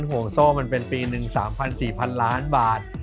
ห่วงโซ่มันเป็นปีหนึ่ง๓๐๐๔๐๐๐ล้านบาท